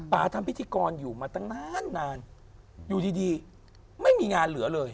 ทำพิธีกรอยู่มาตั้งนานนานอยู่ดีไม่มีงานเหลือเลย